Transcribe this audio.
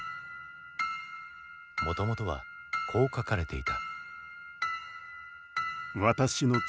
もともとはこう書かれていた。